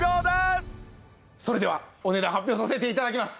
それではお値段発表させて頂きます。